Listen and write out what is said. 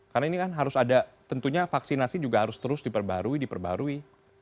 karena ini kan harus ada tentunya vaksinasi juga harus terus diperbarui diperbarui